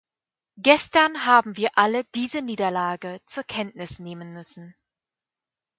Gestern haben wir alle diese Niederlage zur Kenntnis nehmen müssen.